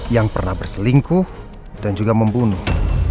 yang pernah berselingkuh dan juga membunuh